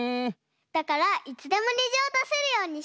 だからいつでもにじをだせるようにしたいんだ。